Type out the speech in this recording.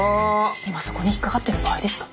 今そこに引っ掛かってる場合ですか？